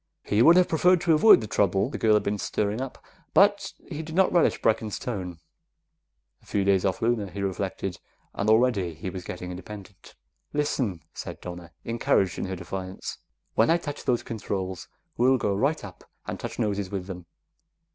He would have preferred to avoid the trouble the girl had been stirring up, but he did not relish Brecken's tone. A few days off Luna, he reflected, and already he was getting independent. "Listen," said Donna, encouraged in her defiance, "when I touch those controls, we'll go right up and touch noses with them.